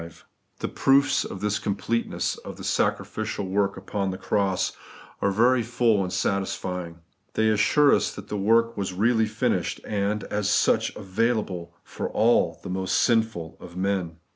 The proofs of the completeness of the sacrificial work upon the cross are very full and satisfjdng. They assure us that the work was really finished, and, as such, available for the most sinful of men.